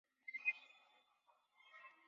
有子王尹和娶张云航之女为妻。